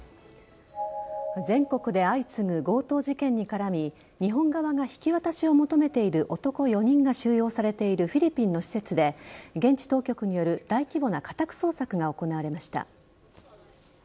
全国で相次ぐ強盗事件に絡み、日本側が引き渡しを求めている男４人が収容されているフィリピンの施設で、現地当局による大規模な家宅捜索が行われました。